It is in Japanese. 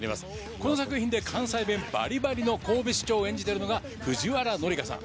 この作品で関西弁バリバリの神戸市長を演じてるのが藤原紀香さん。